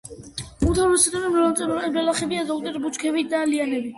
უმთავრესად მრავალწლოვანი ბალახებია, ზოგჯერ ბუჩქები და ლიანები.